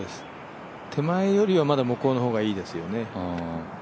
手前よりはまだ向こうの方がいいですよね。